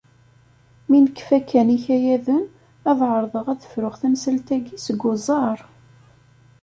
Mi nekfa kan ikayaden, ad ɛerḍeɣ ad fruɣ tamsalt-agi seg uẓar.